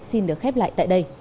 xin được khép lại tại đây